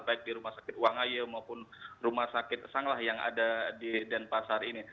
baik di rumah sakit wangaya maupun rumah sakit sanglah yang ada di denpasar ini